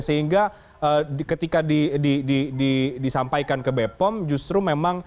sehingga ketika disampaikan ke bepom justru memang